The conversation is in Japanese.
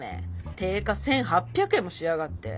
定価１，８００円もしやがって。